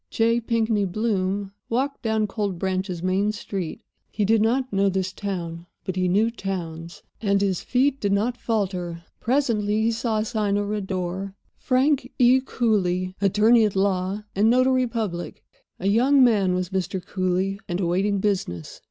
J. Pinkney Bloom walked down Cold Branch's main street. He did not know this town, but he knew towns, and his feet did not falter. Presently he saw a sign over a door: "Frank E. Cooly, Attorney at Law and Notary Public." A young man was Mr. Cooly, and awaiting business.